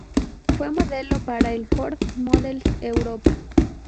Fue modelo para el Ford Models Europa.